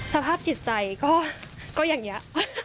สภาพจิตใจก็อย่างนี้